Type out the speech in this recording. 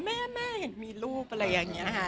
แม่เห็นมีรูปอะไรอย่างเงี้ยฮะ